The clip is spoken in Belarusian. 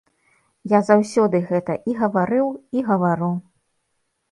Я заўсёды гэта і гаварыў, і гавару.